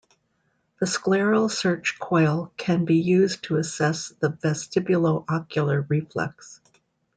The scleral search coil can be used to assess the vestibulo-ocular reflex.